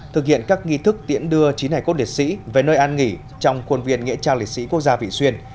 thực hiện các nghi thức tiễn đưa chín hải cốt liệt sĩ về nơi an nghỉ trong khuôn viên nghĩa trang liệt sĩ quốc gia vị xuyên